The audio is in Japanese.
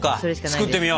作ってみよう。